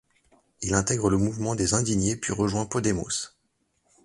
Il intègre le mouvement des Indignés puis rejoint Podemos.